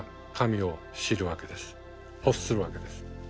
欲するわけです。